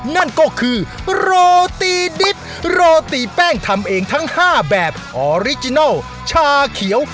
นั่นก็คือโรตีดิบโรตีแป้งทำเองทั้ง๕แบบออริจินัลชาเขียว